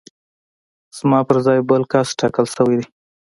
زما په ځای بل کس ټاکل شوی دی